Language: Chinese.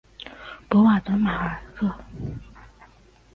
博瓦德马尔克。